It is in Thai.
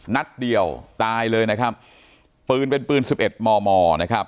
นัดเดียวตายเลยนะครับปืนเป็นปืนสิบเอ็ดมอนะครับ